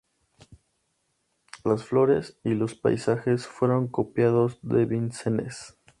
Las flores y los paisajes fueron copiados de Vincennes.